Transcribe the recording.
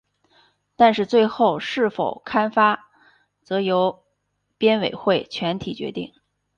但是最后是否刊发则由编委会全体决定。